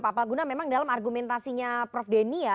pak palguna memang dalam argumentasinya prof denny ya